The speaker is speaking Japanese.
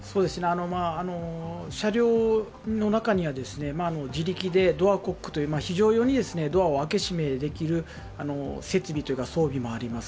車両の中には自力でドアコックという非常用にドアを開け閉めできる設備、装備もあります。